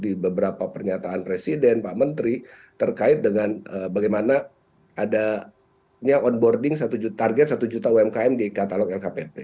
di beberapa pernyataan presiden pak menteri terkait dengan bagaimana adanya onboarding target satu juta umkm di katalog lkpp